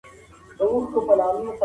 بد زړه تل بې ارامه وي